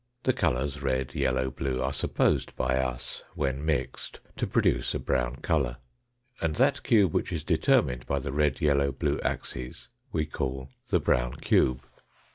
The colours red, yellow, blue are supposed by us when mixed to produce a brown colour. And that cube which is determined by the red, yellow, blue axes we call the brown cube.